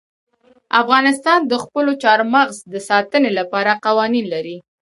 افغانستان د خپلو چار مغز د ساتنې لپاره قوانین لري.